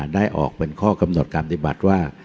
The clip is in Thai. ได้ออกเป็นข้อกำหนดการปฏิบัติว่า